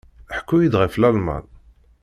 Ḥku-iyi-d ɣef Lalman.